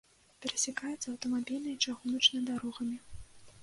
Перасякаецца аўтамабільнай і чыгуначнай дарогамі.